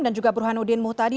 dan juga burhanuddin muhtadi